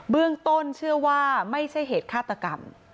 เบื้องต้นเชื่อว่าไม่ใช่เหตุฆาตกรรม